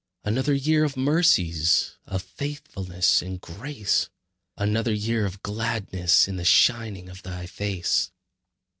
Another year of mercies, Of faithfulness and grace; Another year of gladness In the shining of Thy face.